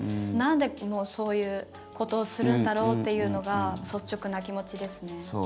なんでそういうことをするんだろうっていうのが率直な気持ちですね。